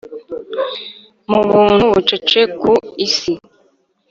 mu buntu bucece ku isi.